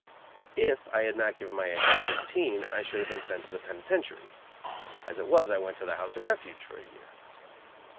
If I had not given my age as fifteen I should have been sent to the penitentiary. As it was I went to the House of Refuge for a year.